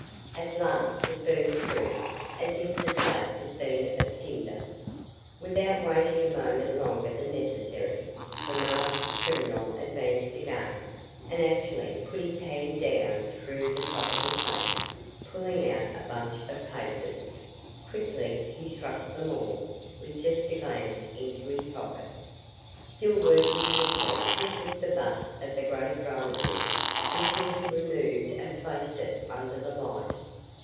At last it burned through as if the safe had been of tinder! Without waiting a moment longer than necessary, the masked criminal advanced again and actually put his hand down through the top of the safe, pulling out a bunch of papers. Quickly he thrust them all, with just a glance, into his pocket. Still working quickly, he took the bust of the great dramatist which he had removed and placed it under the light.